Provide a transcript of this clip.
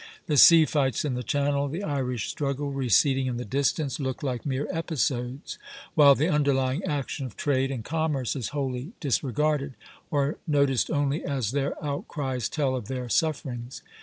The sea fights in the Channel, the Irish struggle receding in the distance, look like mere episodes; while the underlying action of trade and commerce is wholly disregarded, or noticed only as their outcries tell of their sufferings.